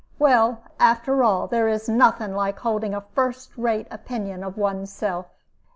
Well, after all, there is nothing like holding a first rate opinion of one's self."